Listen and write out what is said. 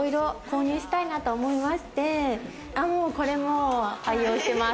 購入したいなと思いまして。